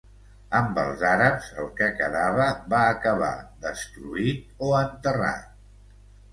Amb els àrabs el que quedava va acabar destruït o enterrat.